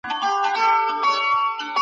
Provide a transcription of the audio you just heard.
په خبرو کي د دواړو خواوو ګټه وي.